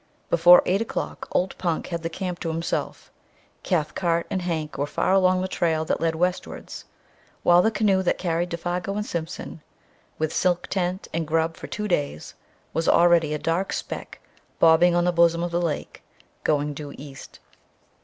Before eight o'clock old Punk had the camp to himself, Cathcart and Hank were far along the trail that led westwards, while the canoe that carried Défago and Simpson, with silk tent and grub for two days, was already a dark speck bobbing on the bosom of the lake, going due east.